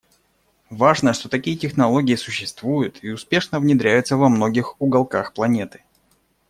Важно, что такие технологии существуют и успешно внедряются во многих уголках планеты.